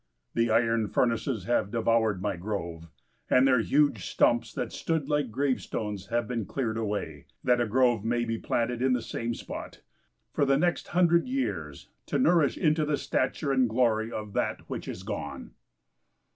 The iron furnaces have devoured my grove, and their huge stumps that stood like gravestones have been cleared away, that a grove may be planted in the same spot, for the next hundred years to nourish into the stature and glory of that which is gone.